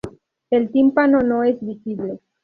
El tímpano no es visible.